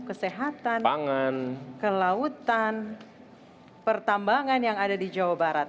kesehatan kelautan pertambangan yang ada di jawa barat